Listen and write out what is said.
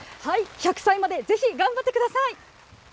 １００歳までぜひ頑張ってください。